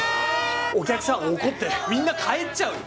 お客さん怒ってみんな帰っちゃうよ。